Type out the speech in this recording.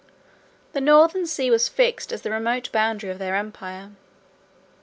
The Northern Sea was fixed as the remote boundary of their empire.